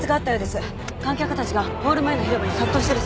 観客たちがホール前の広場に殺到してるそうです。